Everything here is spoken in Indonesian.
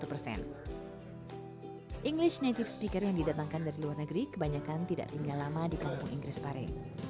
english native speaker yang didatangkan dari luar negeri kebanyakan tidak tinggal lama di kampung inggris pare